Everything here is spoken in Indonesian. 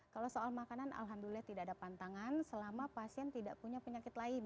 kalau soal makanan alhamdulillah tidak ada pantangan selama pasien tidak punya penyakit lain